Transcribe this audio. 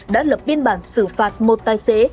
đã lập biên bản xử phạt một tài xế